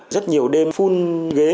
rất nhiều đêm phun ghế